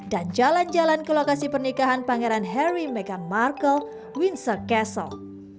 dan jalan jalan ke lokasi pernikahan pangeran harry meghan markle windsor castle